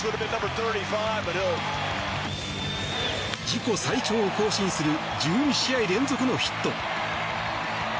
自己最長を更新する１２試合連続のヒット。